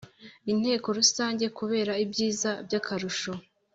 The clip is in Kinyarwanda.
Inteko Rusange kubera ibyiza by akarusho